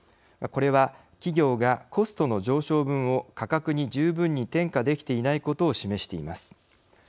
これは、企業がコストの上昇分を価格に十分に転嫁できていないことを示しています。